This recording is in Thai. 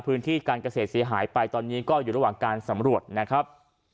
พื้นที่การเกษตรเสียหายไปตอนนี้ก็อยู่ระหว่างการสำรวจนะครับ